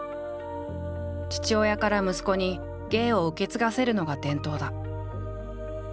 父親から息子に芸を受け継がせるのが伝統だ。